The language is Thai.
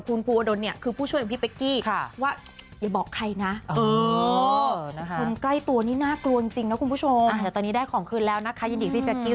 คุณภูวดลเนี่ยคือผู้ช่วยพี่เป็กกี้